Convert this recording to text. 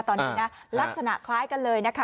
ตอนนี้นะลักษณะคล้ายกันเลยนะคะ